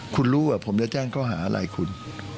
คุณรู้ว่าผมจะแจ้งข้อหาอะไรคุณ